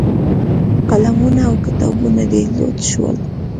قلمونه او کتابونه دې لوټ شول.